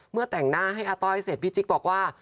แต่งหน้าให้อาต้อยเสร็จพี่จิ๊กบอกว่า